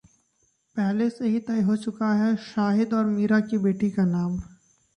पहले से ही तय हो चुका है शाहिद और मीरा की बेटी का नाम